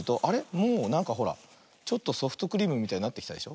もうなんかほらちょっとソフトクリームみたいになってきたでしょ。